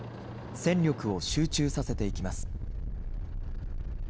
戦力を集中させていきます。